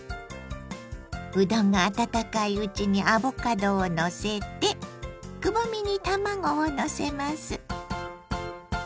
うどんが温かいうちにアボカドをのせてくぼみに卵をのせます。